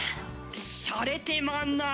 しゃれてまんなあ。